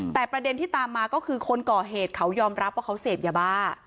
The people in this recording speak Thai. แต่ประเด็นที่ตามมาก็คือคนก่อเหตุเขายอมรับว่าเขาเสพยาบ้า